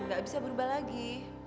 gak bisa berubah lagi